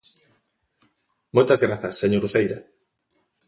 Moitas grazas, señor Uceira.